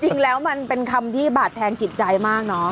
จริงแล้วมันเป็นคำที่บาดแทงจิตใจมากเนอะ